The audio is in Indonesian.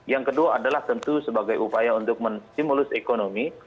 yang kedua adalah tentu sebagai upaya untuk menstimulus ekonomi